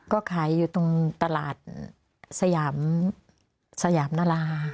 ก็ขายอยู่ตรงตลาดสยามนารา